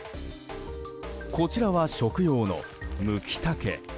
こちらは食用のムキタケ。